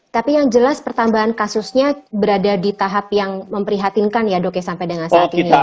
tapi yang jelas pertambahan kasusnya berada di tahap yang memprihatinkan ya dok ya sampai dengan saat ini